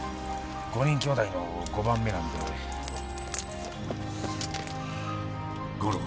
５人きょうだいの５番目なんで五郎。